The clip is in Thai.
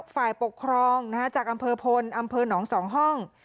ฝ่ายปกครองจากอำเภอพลอำเภอหนอง๒ห้อง